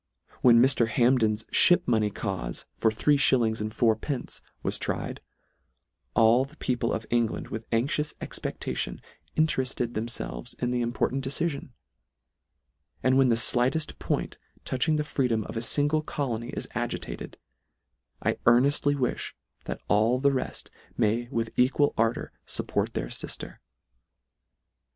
When Mr. Hamp den s lhip money caufe, for three (hillings and four pence, was tried, all the people of England, with anxious expectation, intereft ed themfelves in the important decifion ; and when the flighteft point touching the free dom of a fingle colony is agitated, I earnest ly wilh, that all the reft may with equal ar dour fupport their lifter.